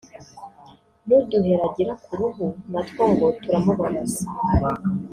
n’uduheri agira ku ruhu na two ngo turamubabaza